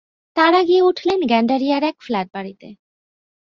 তাঁরা গিয়ে উঠলেন গেণ্ডারিয়ার এক ফ্ল্যাটবাড়িতে।